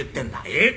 えっ」